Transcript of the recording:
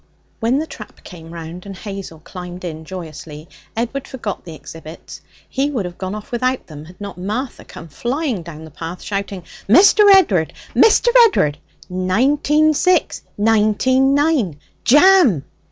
When the trap came round, and Hazel climbed in joyously, Edward forgot the exhibits. He would have gone off without them had not Martha come flying down the path shouting: 'Mr. Ed'ard! Mr. Ed'ard! Nineteen six! Nineteen nine! Jam!'